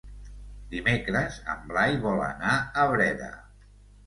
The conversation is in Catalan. Dimecres en Blai vol anar a Breda.